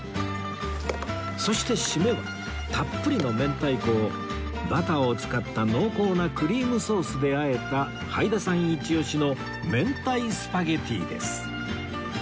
そして締めはたっぷりの明太子をバターを使った濃厚なクリームソースであえたはいださんイチオシのめんたいスパゲティです